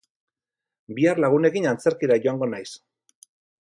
Bihar lagunekin antzerkira joango naiz.